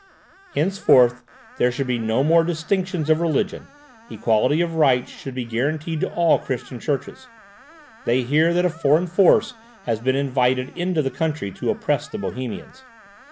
Henceforth, there should be no more distinctions of religion; equality of rights should be guaranteed to all Christian churches. They hear that a foreign force has been invited into the country to oppress the Bohemians.